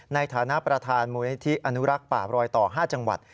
ในฐานะประธานมูลนิธิอนุรักษ์ป่ารอยต่อ๕จังหวัด